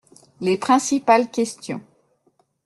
Les principales questions.